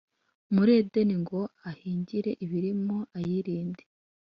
muri Edeni, ngo ahingire ibirimo, ayirinde